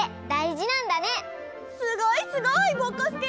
すごいすごい！ぼこすけ。